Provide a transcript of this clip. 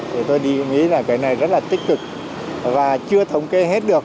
thì tôi nghĩ là cái này rất là tích cực và chưa thống kê hết được